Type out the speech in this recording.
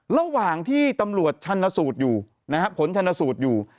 ระหว่างที่ตำรวจชันสูตรอยู่นะฮะผลชนสูตรอยู่